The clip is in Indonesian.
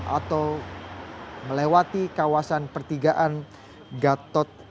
atau melewati kawasan pertigaan gatot